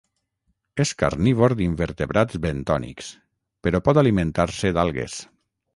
És carnívor d'invertebrats bentònics, però pot alimentar-se d'algues.